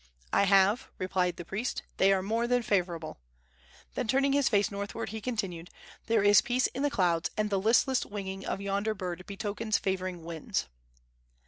"I have," replied the priest. "They are more than favorable." Then turning his face northward, he continued: "There is peace in the clouds, and the listless winging of yonder bird betokens favoring winds."